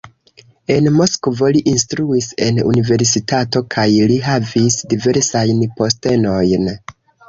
En Moskvo li instruis en universitato kaj li havis diversajn postenojn.